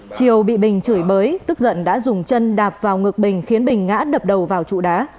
triều bị bình chửi bới tức giận đã dùng chân đạp vào ngực bình khiến bình ngã đập đầu vào trụ đá